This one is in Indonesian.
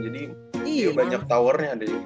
jadi dia banyak towernya